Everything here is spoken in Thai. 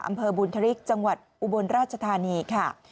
อำเภอบุญธริกจังหวัดอุบลราชธานีค่ะ